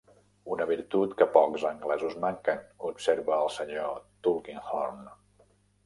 "Una virtut que pocs anglesos manquen", observa el Sr. Tulkinghorn.